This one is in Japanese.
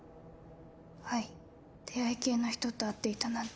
はい出会い系の人と会っていたなんて